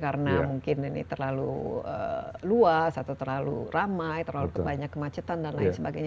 karena mungkin ini terlalu luas atau terlalu ramai terlalu banyak kemacetan dan lain sebagainya